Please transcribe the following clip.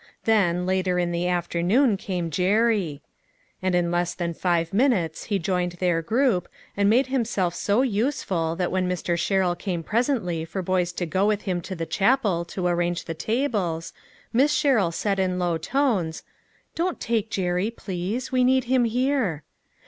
Then, later in the afternoon, came Jerry ; and in less than five minutes he joined their group, and made him self so useful that when Mr. Sherrill came pres ently for boys to go with him to the chapel to arrange the tables, Miss Sherrill said in low tones, " Don't take Jerry please, we need him here."